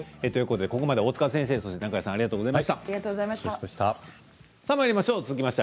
ここまで大塚先生と中谷さんありがとうございました。